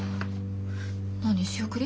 何仕送り？